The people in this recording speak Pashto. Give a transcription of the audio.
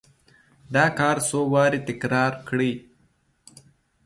دا کار څو واره تکرار کړئ.